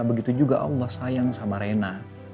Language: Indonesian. begitu juga allah sayang sama reina